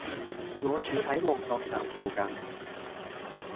我住喺旺角站附近